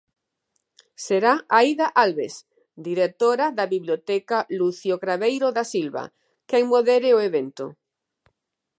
Será Aida Alves, directora da Biblioteca Lúcio Craveiro da Silva, quen modere o evento.